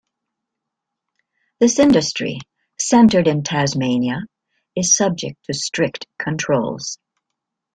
This industry, centred in Tasmania, is subject to strict controls.